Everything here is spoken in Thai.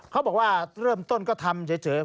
เขาบอกว่าเริ่มต้นก็ทำเฉย